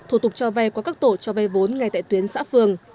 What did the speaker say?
thủ tục cho vay qua các tổ cho vay vốn ngay tại tuyến xã phường